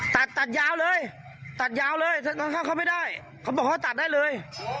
ตัดตัดยาวเลยตัดยาวเลยตอนเข้าเขาไม่ได้เขาบอกเขาตัดได้เลย